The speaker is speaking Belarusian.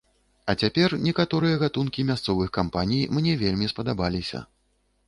А цяпер некаторыя гатункі мясцовых кампаній мне вельмі спадабаліся.